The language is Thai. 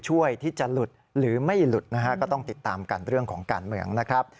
ช่วยที่จะหลุดหรือไม่หลุดก็ต้องติดตามการเรื่องของการเมือง